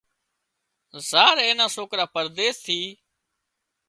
زار اين نا سوڪرا پرديس ٿي